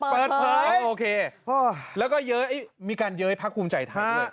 เปิดเพลย์อ๋อโอเคอ้อแล้วก็เย้เอ๊ะมีการเย้ภักษ์ภูมิใจไทย